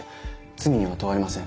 罪には問われません。